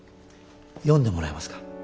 読んでもらえますか？